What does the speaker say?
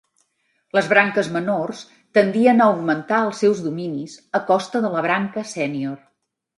Les branques menors tendien a augmentar els seus dominis a costa de la branca sènior.